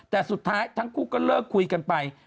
แต่สุดท้ายทั้งคู่ก็เลิกคุยกันไป